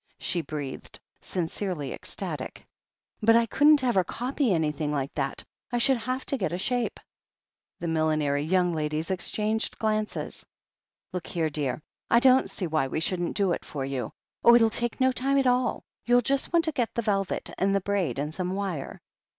she breathed, sincerely ecstatic. But I couldn't ever copy anything like that — I should have to get a shape." The millinery young ladies exchanged glances. "Look here, dear, I don't see why we shouldn't do it for you. Oh, it'll take no time at all — ^you'll just want to get the velvet, and the braid, and some wire.